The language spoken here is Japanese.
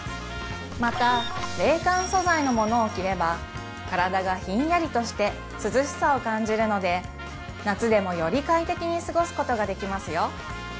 また冷感素材のものを着れば体がヒンヤリとして涼しさを感じるので夏でもより快適に過ごすことができますよ